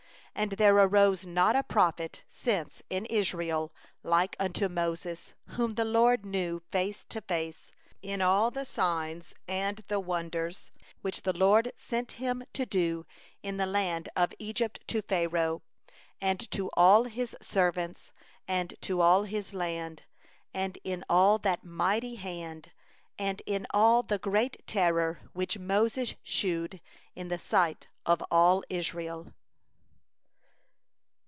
10And there hath not arisen a prophet since in Israel like unto Moses, whom the LORD knew face to face; 11in all the signs and the wonders, which the LORD sent him to do in the land of Egypt, to Pharaoh, and to all his servants, and to all his land; 12and in all the mighty hand, and in all the great terror, which Moses wrought in the sight of all Israel.